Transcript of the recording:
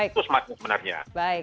itu smart sebenarnya